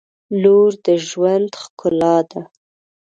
• لور د ژوند ښکلا ده.